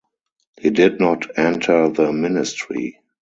He did not enter the ministry.